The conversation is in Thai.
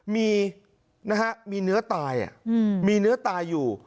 มีเนื้อตายมีเนื้อตายอยู่